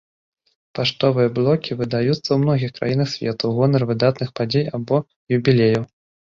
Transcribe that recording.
Паштовыя блокі выдаюцца ў многіх краінах свету ў гонар выдатных падзей або юбілеяў.